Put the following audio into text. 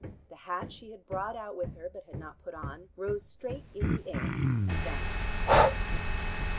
The hat she had brought out with her, but had not put on, rose straight in the air, and vanished.